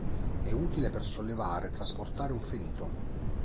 È utile per sollevare e trasportare un ferito.